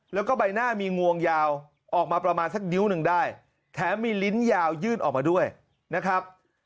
แล้วก็ใบหน้ามีงวงยาวออกมาประมาณสักนิ้วหนึ่งได้แถมมีลิ้นยาวยื่นออกมาด้วยนะครับ